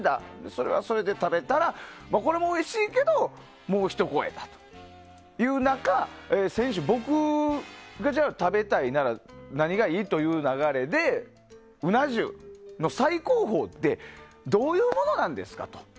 それはそれで、食べたらこれはおいしいけれどももうひと声という中先週、僕がじゃあ、食べたいなら何がいい？という流れでうな重の最高峰ってどういうものなんですかと。